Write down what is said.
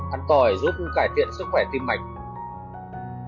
ăn tỏi giúp cải thiện sức khỏe tim mạch